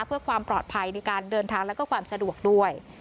เพื่อความปลอดภัยในการเดินทางแล้วก็ความสะดวกด้วย